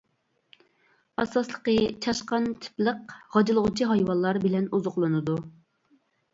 ئاساسلىقى چاشقان تىپلىق غاجىلىغۇچى ھايۋانلار بىلەن ئوزۇقلىنىدۇ.